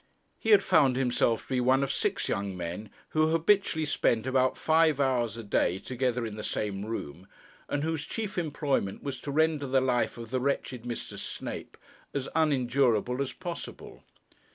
He had found himself to be one of six young men, who habitually spent about five hours a day together in the same room, and whose chief employment was to render the life of the wretched Mr. Snape as unendurable as possible.